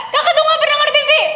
kamu tuh gak pernah ngerti sih